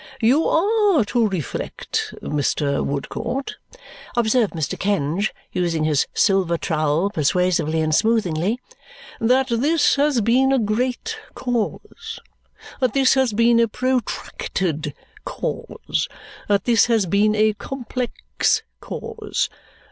"You are to reflect, Mr. Woodcourt," observed Mr. Kenge, using his silver trowel persuasively and smoothingly, "that this has been a great cause, that this has been a protracted cause, that this has been a complex cause.